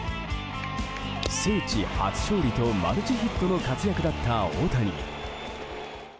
聖地初勝利とマルチヒットの活躍だった大谷。